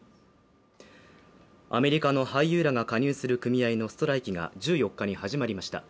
アメリカの俳優らが加入する組合のストライキが１４日に始まりました。